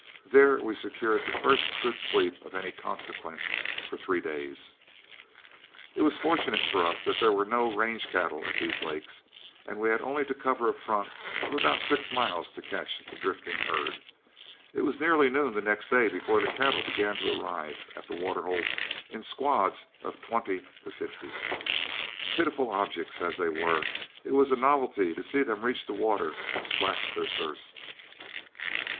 There we secured the first good sleep of any consequence for three days. It was fortunate for us that there were no range cattle at these lakes, and we had only to cover a front of about six miles to catch the drifting herd. It was nearly noon the next day before the cattle began to arrive at the water holes in squads of from twenty to fifty. Pitiful objects as they were, it was a novelty to see them reach the water and slack their thirst.